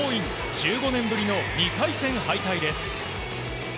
１５年ぶりの２回戦敗退です。